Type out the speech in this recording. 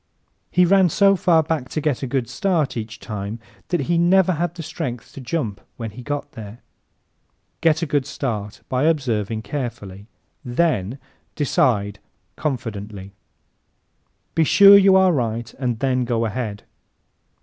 He ran so far back to get a good start each time that he never had the strength to jump when he got there. Get a good start by observing carefully. Then Decide CONFIDENTLY ¶ Be sure you are right and then go ahead.